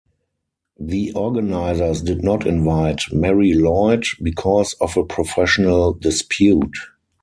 The organisers did not invite Marie Lloyd, because of a professional dispute.